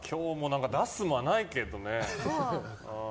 今日は出す間ないけどね。